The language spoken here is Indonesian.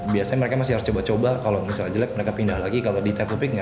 biasanya mereka masih harus coba coba kalau misalnya jelek mereka pindah lagi kalau di tap to pick nggak